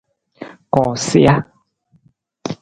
Koosija.